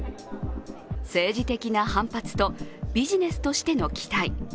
政治的な反発とビジネスとしての期待。